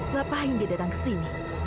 ngapain dia datang ke sini